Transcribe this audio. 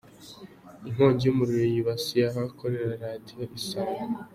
Inkongi y’umuriro yibasiye ahakorera Radiyo Isango